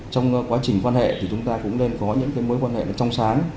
trong quá trình quan hệ thì chúng ta cũng nên có những cái mối quan hệ nó trong sáng